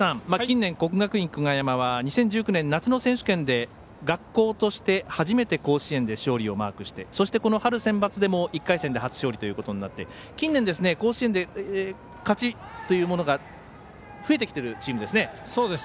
近年、国学院久我山は２０１９年夏の選手権で学校として初めて甲子園で勝利をマークしてそして春センバツでも１回戦で初勝利になって近年、甲子園で勝ちというものが増えてきているチームですね。